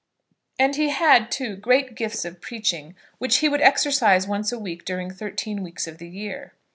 And he had, too, great gifts of preaching, which he would exercise once a week during thirteen weeks of the year.